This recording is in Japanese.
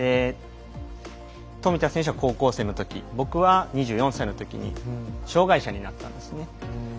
富田選手は高校生のとき僕は２４歳の時に障がい者になったんですね。